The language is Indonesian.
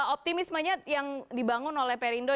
optimismenya yang dibangun oleh perindo